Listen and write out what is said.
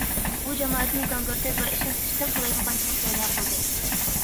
بۇ جامائەتنى گاڭگىرىتىپ ۋە ئىشلىتىشتە قالايمىقانچىلىق پەيدا قىلدى.